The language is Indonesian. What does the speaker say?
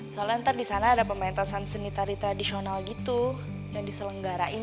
soalnya ntar di sana ada pementasan seni tari tradisional gitu yang diselenggarain